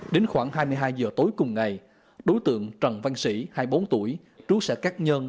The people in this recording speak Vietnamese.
đến khoảng hai mươi hai giờ tối cùng ngày đối tượng trần văn sĩ hai mươi bốn tuổi trú xã cát nhân